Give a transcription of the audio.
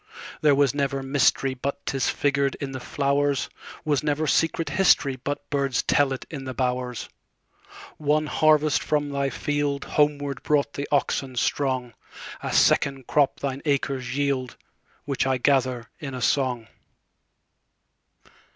There was never mysteryBut 'tis figured in the flowers; SWas never secret historyBut birds tell it in the bowers. One harvest from thy fieldHomeward brought the oxen strong;A second crop thine acres yield, Which I gather in a song.